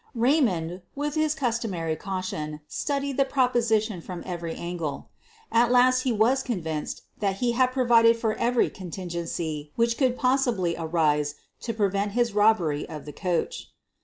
Raymond, with his customary caution, studied the proposition from every angle. At last he was con vinced that he had provided for every contingency which could possibly arise to prevent his robbery of the coach.